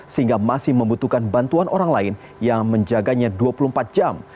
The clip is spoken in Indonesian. sehingga masih membutuhkan bantuan orang lain yang menjaganya dua puluh empat jam